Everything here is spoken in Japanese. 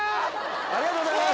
ありがとうございます。